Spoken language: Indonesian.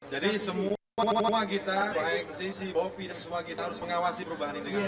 jadi semua kita baik transisi bopi semua kita harus mengawasi perubahan ini dengan baik